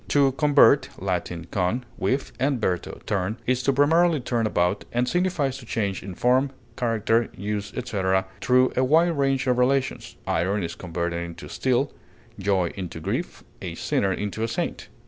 To convert (L. con, with, and verto, turn) is to primarily turn about, and signifies to change in form, character, use, etc., through a wide range of relations; iron is converted into steel, joy into grief, a sinner into a saint.